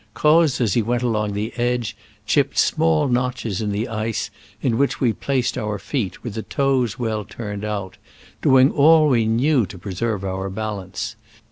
Croz, as he went along the edge, chipped small notches in the ice, in which we placed our feet, with the toes well turned out, doing all we knew to preserve our bal ance.